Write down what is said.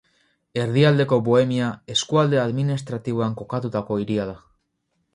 Erdialdeko Bohemia eskualde administratiboan kokatutako hiria da.